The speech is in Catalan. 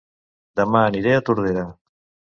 Dema aniré a Tordera